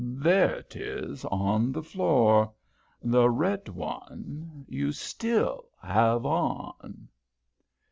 There it is on the floor. The red one you still have on."